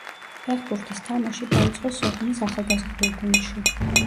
ფეხბურთის თამაში დაიწყო სოხუმის ახალგაზრდულ გუნდში.